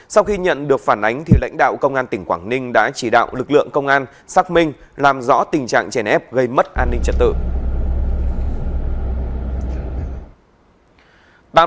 sau khi nhận được phản ánh lãnh đạo công an tỉnh quảng ninh đã chỉ đạo lực lượng công an xác minh làm rõ tình trạng chèn ép gây mất an ninh trật tự